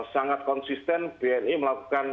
sangat konsisten bni melakukan